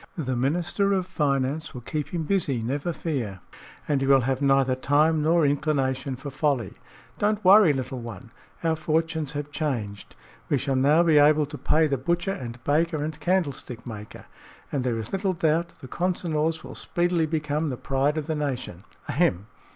The Minister of Finance will keep him busy, never fear, and he will have neither time nor inclination for folly. Don't worry, little one. Our fortunes have changed; we shall now be able to pay the butcher and baker and candlestick maker, and there is little doubt the Consinors will speedily become the pride of the nation. Ahem!